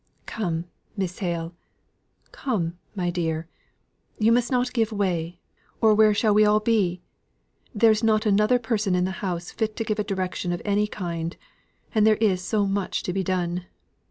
"Come, Miss Hale come, my dear! You must not give way, or where shall we all be? There is not another person in the house fit to give a direction of any kind, and there is so much to be done.